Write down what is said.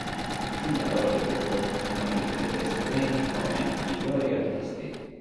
Sin dal loro debutto, hanno vinto diversi premi come "Migliori Artisti".